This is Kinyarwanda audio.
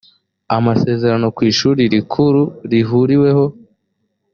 amasezerano ku ishuri rikuru rihuriweho